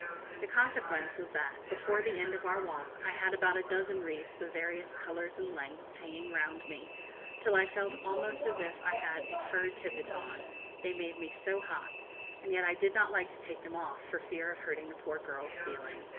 The consequence was that, before the end of our walk, I had about a dozen wreaths of various colours and lengths, hanging round me, till I felt almost as if I had a fur tippet on, they made me so hot; and yet I did not like to take them off, for fear of hurting the poor girls' feelings."